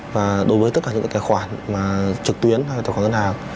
và đối với tất cả những tài khoản trực tuyến hay tài khoản ngân hàng